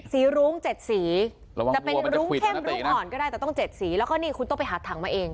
สีรุ้งเจ็ดสีก็เป็นรุ่งเข้มรุ่งหอนก็ได้แล้วต้องเจ็ดสีแล้วคุณต้องไปหาถังมาเอง